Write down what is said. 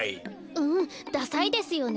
うんダサいですよね。